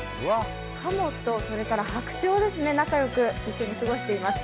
鴨と白鳥ですね、仲良く一緒に過ごしています。